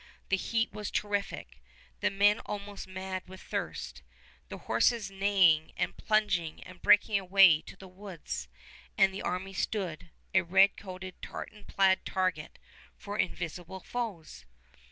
The heat was terrific, the men almost mad with thirst, the horses neighing and plunging and breaking away to the woods; and the army stood, a red coated, tartan plaid target for invisible foes!